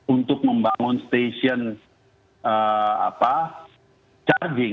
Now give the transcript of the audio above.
untuk membangun stasiun charging